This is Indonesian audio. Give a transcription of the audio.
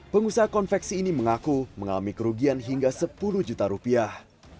pengusaha konveksi ini mengaku mengalami kerugian hingga sepuluh juta rupiah